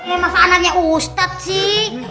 eh masa anaknya ustaz sih